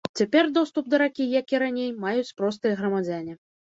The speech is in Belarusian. Цяпер доступ да ракі, як і раней, маюць простыя грамадзяне.